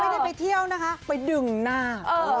ไม่ได้ไปเที่ยวนะคะไปดึงหน้า